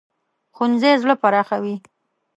ښوونځی زړه پراخوي